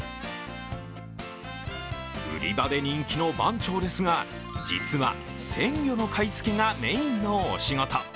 売り場で人気の番長ですが実は鮮魚の買いつけがメインのお仕事。